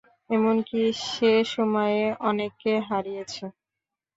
এমনকি, সে সে সময়ে অনেককে হারিয়েছে।